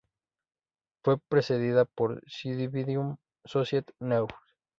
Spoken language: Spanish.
Fue precedida por "Cymbidium Society News".